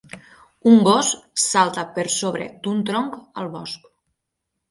Un gos salta per sobre d'un tronc al bosc.